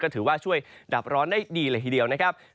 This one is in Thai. ก็ถือว่าช่วยดับร้อนได้ดีเลยทีเดียว